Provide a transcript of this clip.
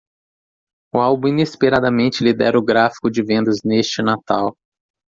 O álbum inesperadamente lidera o gráfico de vendas neste Natal.